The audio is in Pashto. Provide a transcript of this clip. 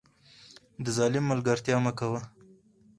د ظالم ملګرتیا مه کوه